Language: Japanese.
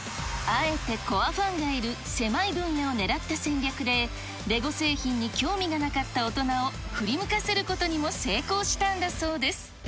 あえてコアファンがいる狭い分野をねらった戦略で、レゴ製品に興味がなかった大人を振り向かせることにも成功したんだそうです。